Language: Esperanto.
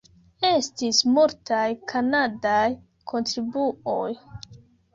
Estis multaj kanadaj kontribuoj.